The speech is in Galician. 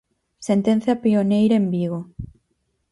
Sentenza pioneira en Vigo.